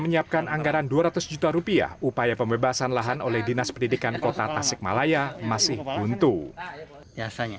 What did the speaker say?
menyiapkan anggaran dua ratus juta rupiah upaya pembebasan lahan oleh dinas pendidikan kota tasikmalaya masih buntu biasanya